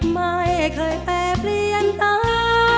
ไม่เคยเปร่าเปลี่ยนได้